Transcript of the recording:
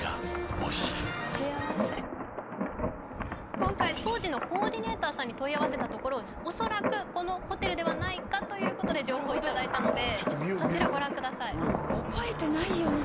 今回当時のコーディネーターさんに問い合わせたところおそらくこのホテルではないかということで情報いただいたのでそちらご覧ください覚えてないよね